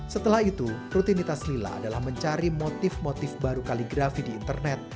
setelah itu rutinitas lila adalah mencari motif motif baru kaligrafi di internet